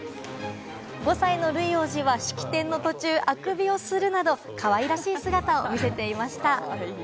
５歳のルイ王子は式典の途中、あくびをするなど可愛らしい姿を見せていました。